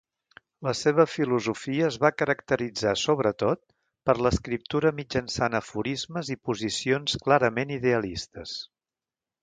La seva filosofia es va caracteritzar sobretot per l'escriptura mitjançant aforismes i posicions clarament idealistes.